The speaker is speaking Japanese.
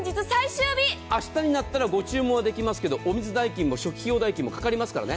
明日になったらご注文はできますけどお水代金も初期費用もかかりますからね。